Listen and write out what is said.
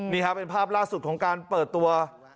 นี่ครับเป็นภาพล่าสุดของการเปิดตัว